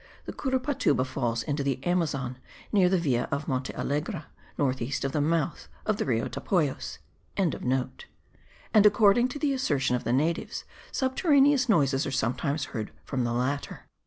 The Curupatuba falls into the Amazon near the Villa of Monte Alegre, north east of the mouth of the Rio Topayos.); and according to the assertion of the natives, subterraneous noises are sometimes heard from the latter.